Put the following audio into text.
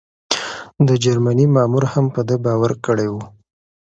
د جرمني مامور هم په ده باور کړی و.